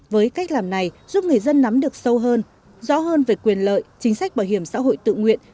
với cách làm này giúp người dân nắm được sâu hơn rõ hơn về quyền lợi chính sách bảo hiểm xã hội tự nguyện